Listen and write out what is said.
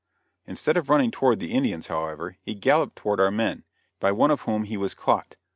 Instead of running toward the Indians, however, he galloped toward our men, by one of whom he was caught.